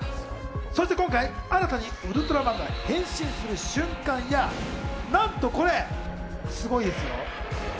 そして今回、新たにウルトラマンが変身する瞬間や、なんとこれ、すごいですよ。